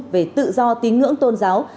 về tự do tín ngưỡng tôn giáo